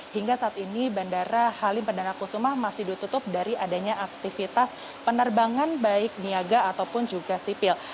hingga saat ini bandara halim perdana kusuma masih ditutup dari adanya aktivitas penerbangan baik niaga ataupun juga sipil